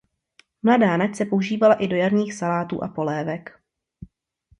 Mladá nať se používala i do jarních salátů a polévek.